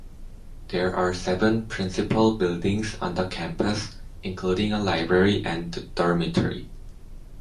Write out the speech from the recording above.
There are seven principal buildings on the campus, including a library and dormitory.